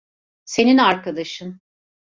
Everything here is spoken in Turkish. Senin arkadaşın.